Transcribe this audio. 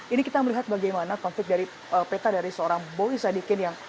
ini kita melihat bagaimana konflik dari peta dari seorang boy sadikin yang